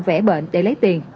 vẽ bệnh để lấy tiền